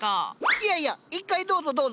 いやいや一回どうぞどうぞ。